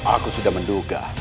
aku sudah menduga